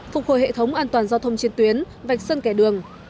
phục hồi hệ thống an toàn giao thông trên tuyến vạch sân kẻ đường